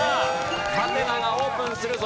ハテナがオープンするぞ。